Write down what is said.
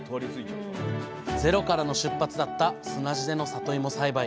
ゼロからの出発だった砂地でのさといも栽培。